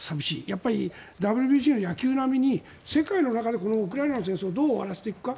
やっぱりＷＢＣの野球並みの世界の中でウクライナの戦争をどう終わらせていくか